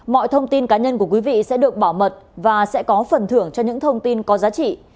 mọi thông tin cá nhân của quý vị sẽ được bảo mật và sẽ có phần thưởng cho những thông tin có giá trị